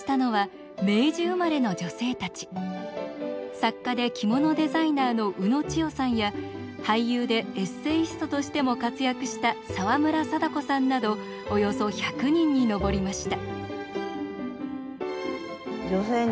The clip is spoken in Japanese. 作家で着物デザイナーの宇野千代さんや俳優でエッセイストとしても活躍した沢村貞子さんなどおよそ１００人に上りました。